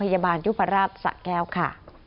พยาบาลยุพราชสะแก้วค่ะ